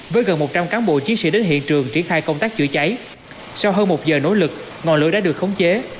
với gần một trăm linh cán bộ chiến sĩ đến hiện trường triển khai công tác chữa cháy sau hơn một giờ nỗ lực ngọn lửa đã được khống chế